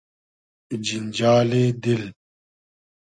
جینجالی دیل